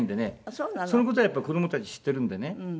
その事をやっぱり子どもたち知ってるんでね。